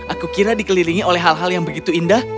aku kira dikelilingi oleh hal hal yang begitu indah